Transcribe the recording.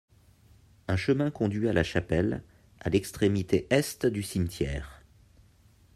Un chemin conduit à la chapelle, à l'extrémité est du cimetière.